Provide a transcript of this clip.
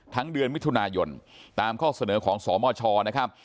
เดือนมิถุนายนตามข้อเสนอของสมชนะครับ